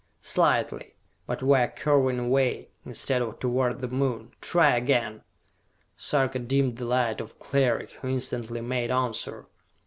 "Slightly, but we are curving away, instead of toward the Moon! Try again!" Sarka dimmed the light of Cleric, who instantly made answer.